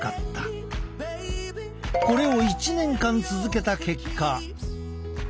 これを１年間続けた結果。